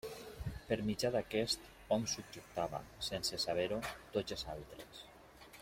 Per mitjà d'aquest, hom subjectava, sense saber-ho, tots els altres.